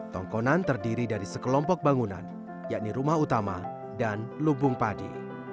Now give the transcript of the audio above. tongkonan terdiri dari sekelompok bangunan yakni rumah utama dan lubung padi